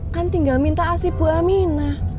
kan tinggal minta asi bu aminah